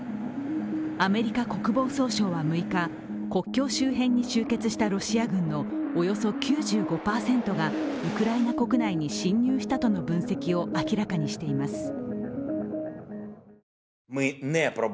アメリカ国防総省は６日、国境周辺に集結したロシア軍のおよそ９５％がウクライナ国内に侵入したとの分析を明らかにしています。